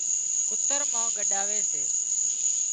ڪُتر مان ڳڏاوي سي